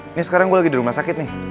ini sekarang gue lagi di rumah sakit nih